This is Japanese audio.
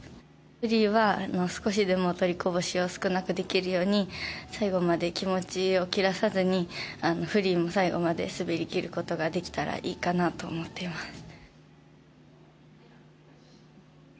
フリーは少しでも取りこぼしを少なくできるように最後まで気持ちを切らさずにフリーも最後まで滑り切ることができたらいいかなと思っています。